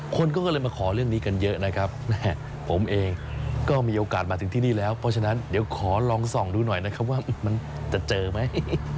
คนก็เลยมาขอเรื่องนี้กันเยอะนะครับผมเองก็มีโอกาสมาถึงที่นี่แล้วเพราะฉะนั้นเดี๋ยวขอลองส่องดูหน่อยนะครับว่ามันจะเจอไหม